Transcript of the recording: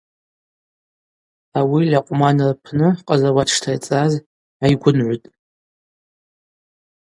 Ауи Льакъвман рпны къазауат штайцӏаз гӏайгвынгӏвытӏ.